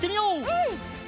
うん。